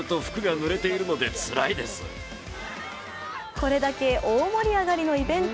これだけ大盛り上がりのイベント。